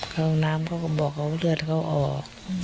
ห้องน้ำเขาก็บอกเขาเลือดเขาออก